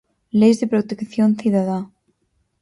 Leis de protección cidadá.